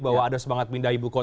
bahwa ada semangat pindah ibu kota